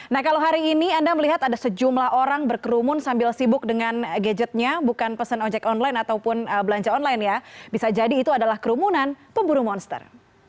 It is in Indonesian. nah kalau hari ini anda melihat ada sejumlah orang berkerumun sambil sibuk dengan gadgetnya bukan pesen ojek online ataupun belanja online ya bisa jadi itu adalah kerumunan pemburu monster